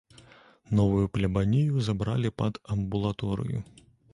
Новую плябанію забралі пад амбулаторыю.